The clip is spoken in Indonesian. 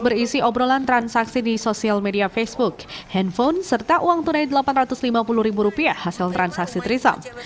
berolah transaksi di sosial media facebook handphone serta uang tunai rp delapan ratus lima puluh hasil transaksi trisam